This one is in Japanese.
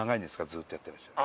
ずっとやってらっしゃる？